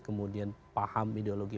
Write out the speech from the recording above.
kemudian paham ideologi